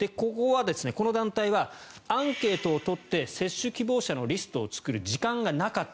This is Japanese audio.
この団体はアンケートを取って接種希望者のリストを作る時間がなかった。